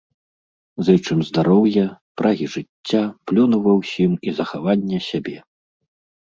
Зычым здароўя, прагі жыцця, плёну ва ўсім і захавання сябе!